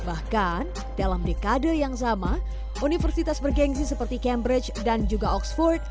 bahkan dalam dekade yang sama universitas bergensi seperti cambridge dan juga oxford